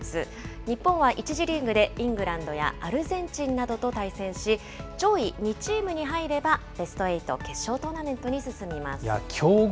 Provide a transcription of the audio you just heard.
日本は１次リーグでイングランドやアルゼンチンなどと対戦し、上位２チームに入ればベストエイト、決勝トーナメントに進みます。